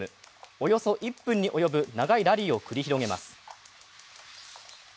およそ１分に及ぶ長いラリーを繰り広げます。